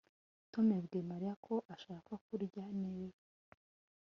Tom yabwiye Mariya ko ashaka kurya Nero